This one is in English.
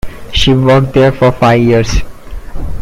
She worked there for five years.